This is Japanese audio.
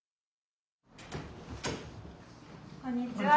こんにちは。